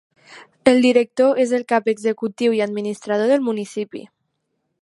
El director és el cap executiu i administrador del municipi.